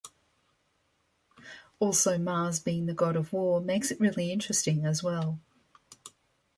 Also Mars being the God of War makes it really interesting, as well.